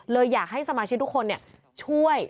อยากให้สมาชิกทุกคนช่วย